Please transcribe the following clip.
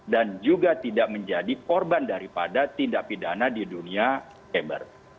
dan juga tidak menjadi korban daripada tindak pidana di dunia keber